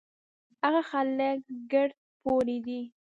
هغه خلک ګړد پوره دي